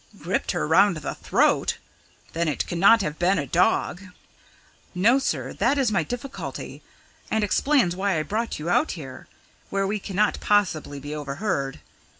"Gripped her round the throat! Then it cannot have been a dog." "No, sir, that is my difficulty, and explains why I brought you out here, where we cannot possibly be overheard.